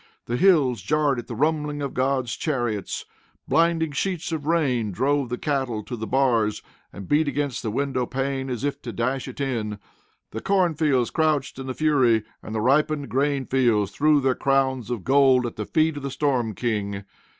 The hills jarred at the rumbling of God's chariots. Blinding sheets of rain drove the cattle to the bars, and beat against the window pane as if to dash it in. The corn fields crouched in the fury, and the ripened grain fields threw their crowns of gold at the feet of the storm king.